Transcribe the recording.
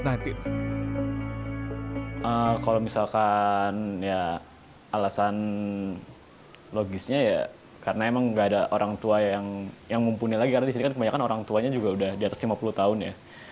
kalau misalkan ya alasan logisnya ya karena emang gak ada orang tua yang mumpuni lagi karena disini kan kebanyakan orang tuanya juga udah di atas lima puluh tahun ya